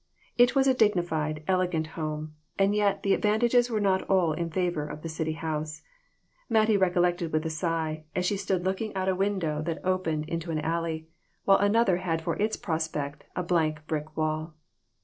It was a dignified, elegant home, and yet the advantages were not all in favor of the city house, Mattie recollected with a sigh, as she stood looking out a window that 224 THIS WORLD, AND THE OTHER ONE. opened into an alley, while another had for its prospect a blank brick wall.